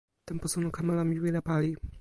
tenpo suno kama la mi wile pali.